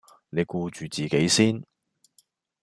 你顧住自己先